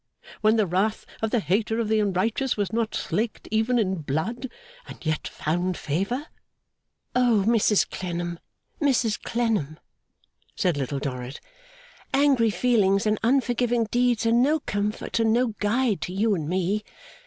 When the wrath of the hater of the unrighteous was not slaked even in blood, and yet found favour?' 'O, Mrs Clennam, Mrs Clennam,' said Little Dorrit, 'angry feelings and unforgiving deeds are no comfort and no guide to you and me.